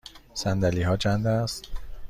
صندلی ها چند است؟